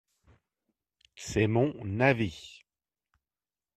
C'est mon avis.